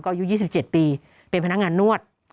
อายุ๒๗ปีเป็นพนักงานนวด